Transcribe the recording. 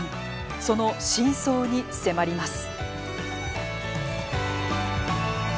その深層に迫ります。